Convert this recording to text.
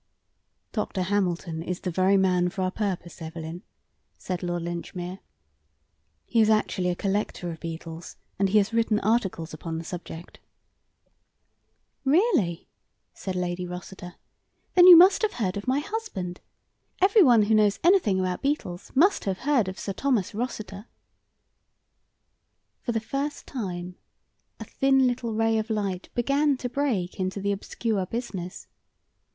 "Dr. Hamilton is the very man for our purpose, Evelyn," said Lord Linchmere. "He is actually a collector of beetles, and he has written articles upon the subject." "Really!" said Lady Rossiter. "Then you must have heard of my husband. Everyone who knows anything about beetles must have heard of Sir Thomas Rossiter." For the first time a thin little ray of light began to break into the obscure business.